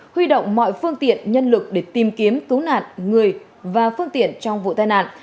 huy động mọi phương tiện nhân lực để tìm kiếm cứu nạn người và phương tiện trong vụ tai nạn